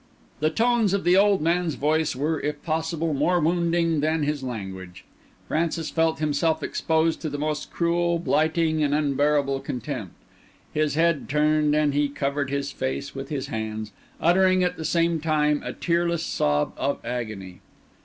The tones of the old man's voice were, if possible, more wounding than his language; Francis felt himself exposed to the most cruel, blighting, and unbearable contempt; his head turned, and he covered his face with his hands, uttering at the same time a tearless sob of agony.